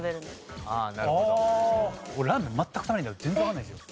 俺ラーメン全く食べないんで全然わかんないんですよ。